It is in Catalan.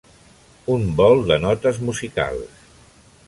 Un vol de notes musicals